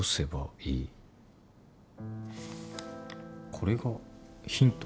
これがヒント。